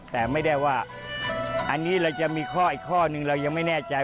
แต่ไม่ได้ว่าอันนี้เราจะมีข้ออีกข้อนึงเรายังไม่แน่ใจ